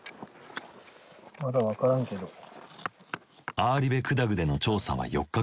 アーリベクダグでの調査は４日間。